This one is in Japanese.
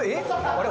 あれ？